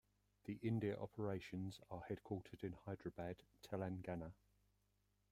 The India operations are headquartered in Hyderabad, Telangana.